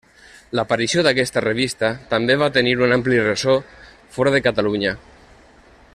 L'aparició d'aquesta revista també va tenir un ampli ressò fora de Catalunya.